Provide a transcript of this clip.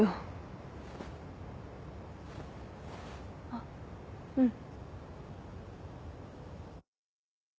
あっうん。